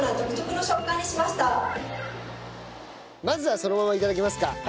まずはそのまま頂きますか。